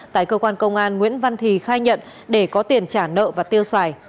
tại cơ quan công an nguyễn văn thì khai nhận để có tiền trả nợ và tiêu xài